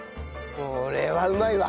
これはうまいわ。